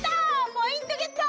ポイントゲット！